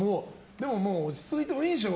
でももう落ち着いてもいいでしょ。